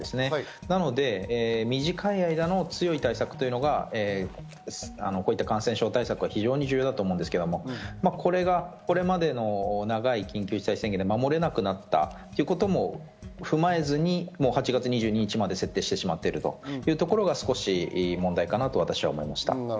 なので短い間の強い対策というのがこういった感染症対策が非常に重要だと思うんですけど、これまでの長い緊急事態宣言って守れなくなったということも踏まえずに、もう８月２２日まで設定してしまっているというところが少し問題かなと私は思いました。